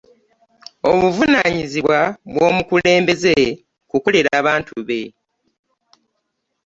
Obuvunaanyizibwa bw'omukulembeze kukolera bantu be.